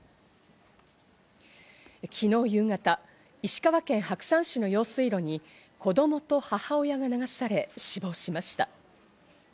昨日夕方、石川県白山市の用水路に子供と母親が流され、死亡しました。